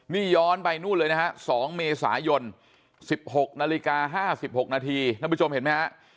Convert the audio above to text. นี่ย้อนไปนู่นเลยนะฮะ๒เมษายน๑๖นาฬิกา๕๖นาทีท่านผู้ชมเห็นไหมฮะ